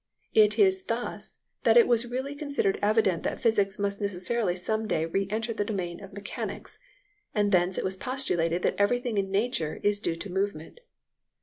It is thus that it was readily considered evident that physics must necessarily some day re enter the domain of mechanics, and thence it was postulated that everything in nature is due to movement.